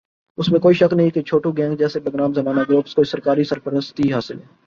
اس میں کوئ شک نہیں کہ چھوٹو گینگ جیسے بدنام زمانہ گروپس کو سرکاری سرپرستی حاصل ہے